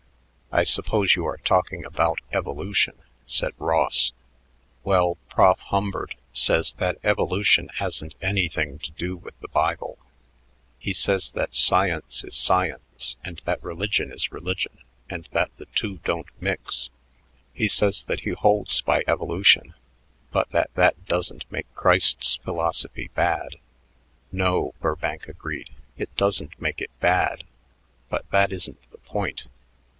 "I suppose you are talking about evolution," said Ross. "Well, Prof Humbert says that evolutions hasn't anything to do with the Bible He says that science is science and that religion is religion and that the two don't mix. He says that he holds by evolution but that that doesn't make Christ's philosophy bad." "No," Burbank agreed, "it doesn't make it bad; but that isn't the point.